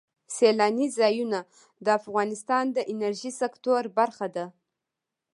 سیلاني ځایونه د افغانستان د انرژۍ سکتور برخه ده.